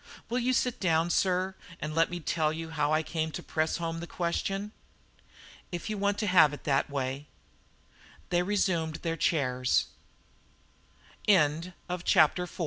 Will you sit down, sir, and let me tell you how I came to press home the question?" "If you want to have it that way." They resumed their chairs. CHAPTER V ANTHONY IS LE